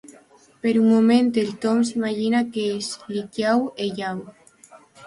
Per un moment, el Tom s'imagina que és a l'Hikiau Heiau.